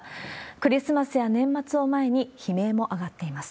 クリスマスや年末を前に、悲鳴も上がっています。